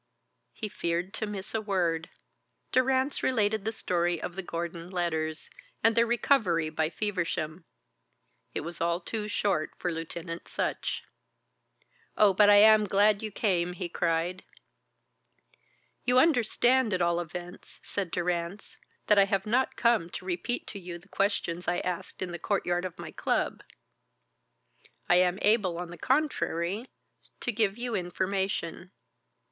He feared to miss a word. Durrance related the story of the Gordon letters, and their recovery by Feversham. It was all too short for Lieutenant Sutch. "Oh, but I am glad you came," he cried. "You understand at all events," said Durrance, "that I have not come to repeat to you the questions I asked in the courtyard of my club. I am able, on the contrary, to give you information."